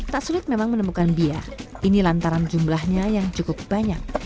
tak sulit memang menemukan bia ini lantaran jumlahnya yang cukup banyak